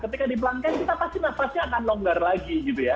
ketika dipelangkan kita pasti nafasnya akan longgar lagi gitu ya